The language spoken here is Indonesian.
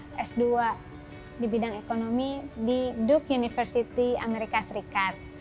saya melanjutkan sekolah s dua di bidang ekonomi di duke university amerika serikat